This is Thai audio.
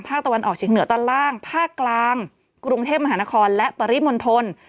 ตะวันออกเฉียงเหนือตอนล่างภาคกลางกรุงเทพมหานครและปริมณฑล